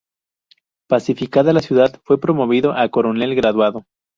Pacificada la ciudad, fue promovido a coronel graduado.